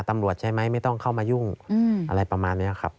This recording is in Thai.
ตำรวจใช่ไหมไม่ต้องเข้ามายุ่งอะไรประมาณนี้ครับ